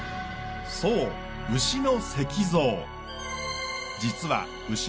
そう牛の石像。